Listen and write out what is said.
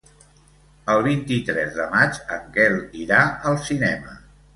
El vint-i-tres de maig en Quel irà al cinema.